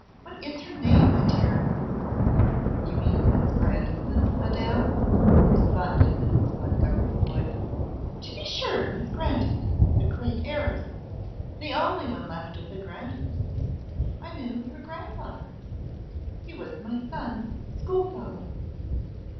What is her name, my dear?' 'You mean Miss Grandison, madam?' responded Mrs. Montgomery Floyd. 'To be sure, Miss Grandison, the great heiress. The only one left of the Grandisons. I knew her grandfather. He was my son's schoolfellow.